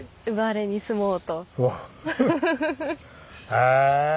へえ。